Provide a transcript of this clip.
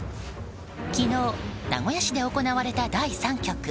昨日、名古屋市で行われた第３局。